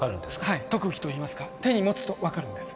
はい特技といいますか手に持つと分かるんです